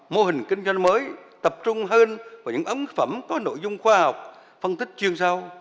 mô hình kinh doanh mới tập trung hơn vào những ấn phẩm có nội dung khoa học phân tích chuyên sâu